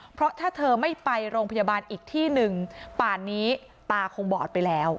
เพราะถ้าเธอไม่ไปโรงพยาบาลอีกที่หนึ่งป่านนี้ตาคงบอดไปแล้ว